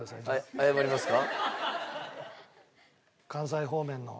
謝りますか？